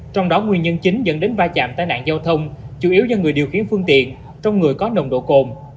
trong đó nguyên nhân chính dẫn đến ba chạm tai nạn giao thông chủ yếu do người điều khiển phương tiện trong người có nồng độ cồn